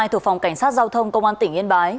thuộc phòng cảnh sát giao thông công an tỉnh yên bái